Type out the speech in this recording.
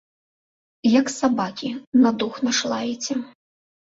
Як сабакі, на дух наш лаеце.